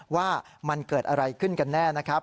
ว่ามันเกิดอะไรขึ้นกันแน่นะครับ